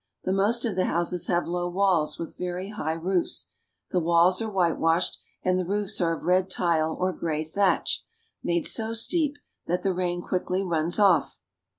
The most of the houses have low walls and very high roofs ; the walls are whitewashed, and the roofs are of red tile or gray thatch made so steep that the rain quickly runs off.